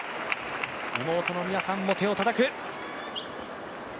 妹の美和さんも手をたたく。